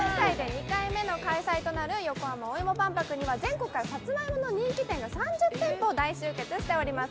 そして今回が２回目の開催となる横浜おいも万博には、全国からさつまいもの人気店が３０店舗大集結しております。